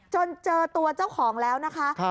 จนเจอตัวเจ้าของแล้วนะคะ